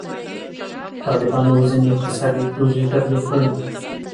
طالبانو ځینې اقتصادي پروژې تطبیق کړي.